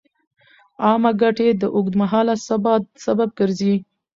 عامه ګټې د اوږدمهاله ثبات سبب ګرځي.